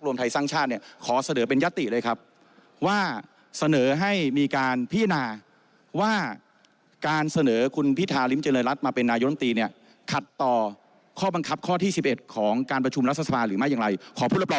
คุณรังสิบันโรมสศจากเกล้ากลายก็ลุกขึ้นเหมือนกัน